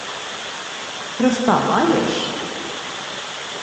— Хреста маєш?